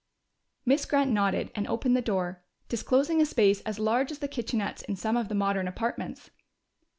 Miss Grant nodded and opened the door, disclosing a space as large as the kitchenettes in some of the modern apartments.